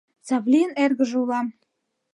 Савлийын эргыже улам.